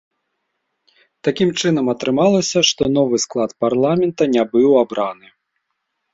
Такім чынам, атрымалася, што новы склад парламента не быў абраны.